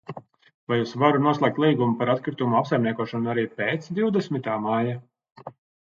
Vai es varu noslēgt līgumu par atkritumu apsaimniekošanu arī pēc divdesmitā maija?